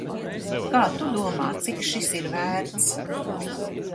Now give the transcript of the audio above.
Kā tu domā, cik šis ir vērts?